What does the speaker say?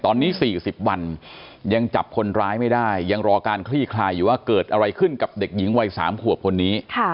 ตอนนี้๔๐วันยังจับคนร้ายไม่ได้ยังรอการคลี่คลายอยู่ว่าเกิดอะไรขึ้นกับเด็กหญิงวัย๓ขวบคนนี้